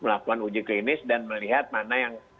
melakukan uji klinis dan melihat mana yang